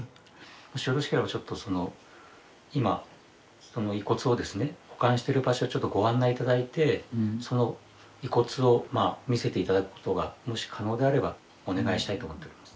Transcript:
もしよろしければちょっとその今その遺骨をですね保管してる場所ちょっとご案内頂いてその遺骨を見せて頂くことがもし可能であればお願いしたいと思っております。